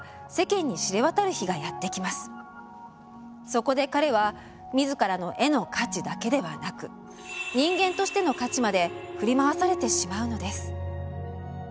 そこで彼は自らの絵の価値だけではなく「人間としての価値」まで振り回されてしまうのです。